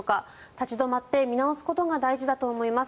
立ち止まって見直すことが大事だと思います。